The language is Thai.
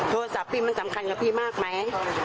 โทรศัพท์มันสำคัญกับพี่มากมั้ย